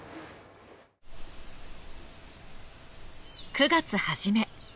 ９月初め。